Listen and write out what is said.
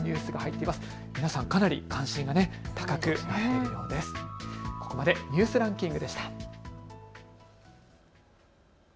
きょうここまでニュースランキングでした。